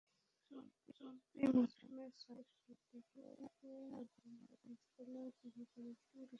চলতি মৌসুমে শ্রাবণ মাসের শুরুর দিকে আমনের বীজতলা তৈরি করেছিলেন কৃষকেরা।